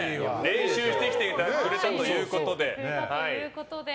練習してきてくれたということで。